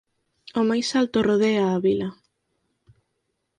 O máis alto rodea a vila.